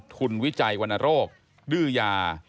ทุนวิจัยวนโรคดื้อยา